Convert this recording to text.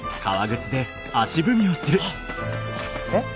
えっ？